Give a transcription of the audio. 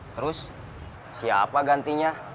terus siapa gantinya